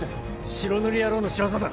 白塗り野郎の仕業だ！